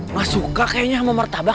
gak suka kayaknya sama martabak